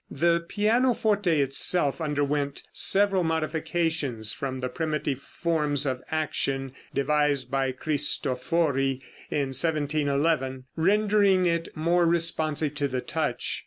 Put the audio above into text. The pianoforte itself underwent several modifications from the primitive forms of action devised by Cristofori in 1711, rendering it more responsive to the touch.